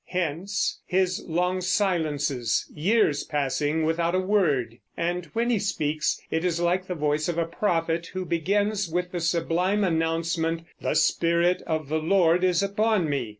Hence his long silences, years passing without a word; and when he speaks it is like the voice of a prophet who begins with the sublime announcement, "The Spirit of the Lord is upon me."